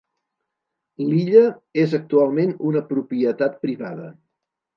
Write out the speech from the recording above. L'illa és actualment una propietat privada.